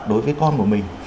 đối với con của mình